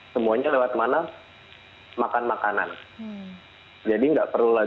semuanya lewat mana makan makanan jadi enggak perlu